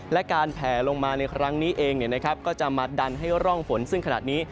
และการแผลลงมาในครั้งนี้เองก็จะมาดันให้ร่องฝนซึ่งขณะนี้